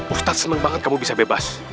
ustadz senang banget kamu bisa bebas